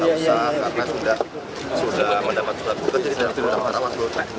tak usah karena sudah mendapat surat tugas